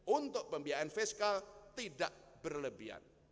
untuk pembiayaan fiskal tidak berlebihan